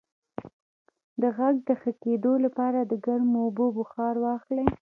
د غږ د ښه کیدو لپاره د ګرمو اوبو بخار واخلئ